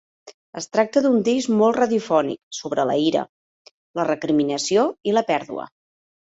Es tracta d'un disc molt radiofònic sobre la ira, la recriminació i la pèrdua.